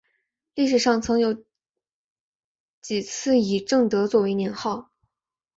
历史上曾有几次以正德作为年号。